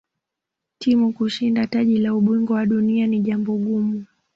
timu kushinda taji la ubingwa wa dunia ni jambo gumu